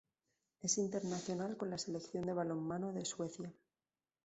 Es internacional con la Selección de balonmano de Suecia.